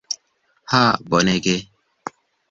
Ha bonege.